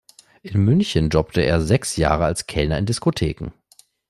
In München jobbte er sechs Jahre als Kellner in Diskotheken.